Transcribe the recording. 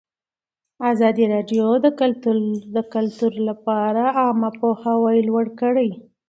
ازادي راډیو د کلتور لپاره عامه پوهاوي لوړ کړی.